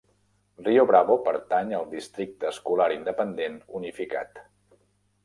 Rio Bravo pertany al districte escolar independent unificat.